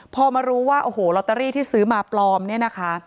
พอมารู้ว่าโอ้โหลอตเตอรี่ที่ซื้อมาปลอมเนี่ยนะคะ